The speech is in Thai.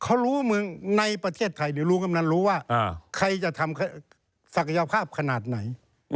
เขารู้ในประเทศไทยลุงกำนันรู้ว่าใครจะทำศักยภาพขนาดไหน